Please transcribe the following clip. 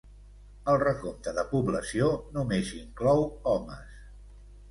El recompte de població només inclou homes.